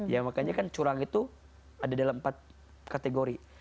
ya makanya kan curang itu ada dalam empat kategori